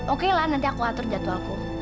oke lah nanti aku atur jadwal aku